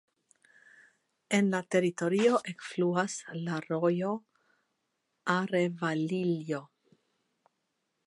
En la teritorio ekfluas la rojo Arevalillo.